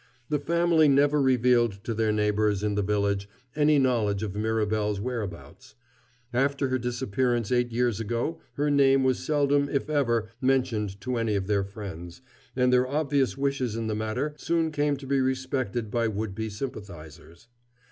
The family never revealed to their neighbors in the village any knowledge of Mirabel's whereabouts. After her disappearance eight years ago her name was seldom, if ever, mentioned to any of their friends, and their obvious wishes in the matter soon came to be respected by would be sympathizers.